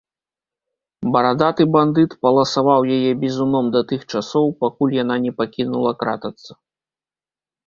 Барадаты бандыт паласаваў яе бізуном да тых часоў, пакуль яна не пакінула кратацца.